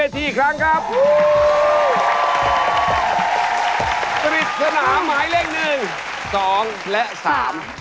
ดีมากดีมาก